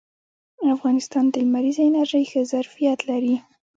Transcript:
افغانستان د لمریزې انرژۍ ښه ظرفیت لري